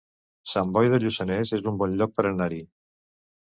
Sant Boi de Lluçanès es un bon lloc per anar-hi